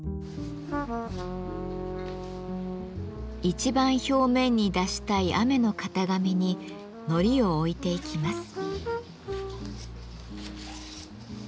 一番表面に出したい雨の型紙に糊を置いていきます。